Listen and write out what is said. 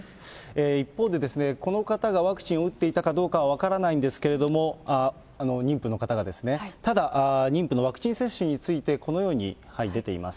一方で、この方がワクチンを打っていたかどうかは分からないんですけれども、妊婦の方が、ただ、妊婦のワクチン接種について、このように出ています。